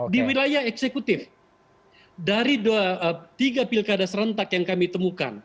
di wilayah eksekutif dari tiga pilkada serentak yang kami temukan